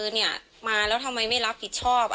ทำไมไม่รับผิดชอบ